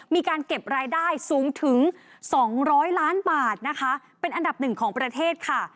มีการเก็บรายได้สูงถึง๒๐๐ล้านบาทนะคะเป็นอันดับหนึ่งของประเทศค่ะ